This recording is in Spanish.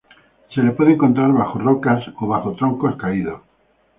Se le puede encontrar bajo rocas o bajo troncos caídos.